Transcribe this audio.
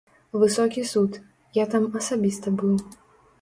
Высокі суд, я там асабіста быў.